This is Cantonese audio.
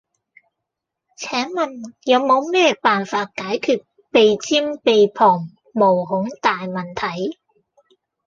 請問有無咩辦法解決鼻尖鼻旁毛孔大問題?